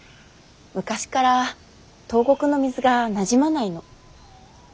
昔から東国の水がなじまないの。